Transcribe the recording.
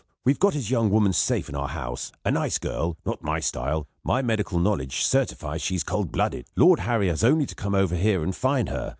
We've got his young woman safe in our house. A nice girl. Not my style; my medical knowledge certifies she's cold blooded. Lord Harry has only to come over here and find her.